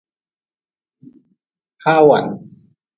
Hawan.